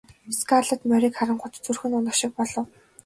Скарлетт морийг харангуут зүрх нь унах шиг болов.